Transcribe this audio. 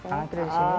angkir di sini